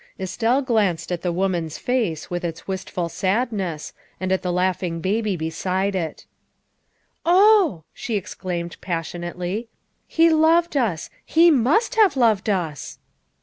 Estelle glanced at the woman's face, with its wistful sadness, and at the laughing baby beside it. " Oh," she exclaimed passionately, " he loved us! He must have loved us!"